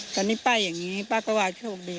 ตอนนี้ป้าอย่างนี้ฉงดี